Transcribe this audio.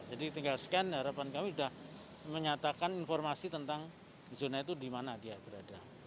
jadi tinggal scan harapan kami sudah menyatakan informasi tentang zona itu di mana dia berada